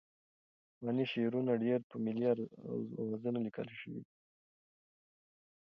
پخواني شعرونه ډېری په ملي اوزانو لیکل شوي دي.